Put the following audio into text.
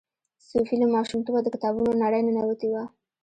صوفي له ماشومتوبه د کتابونو نړۍ ننوتې وه.